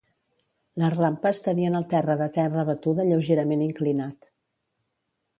Les rampes tenien el terra de terra batuda lleugerament inclinat.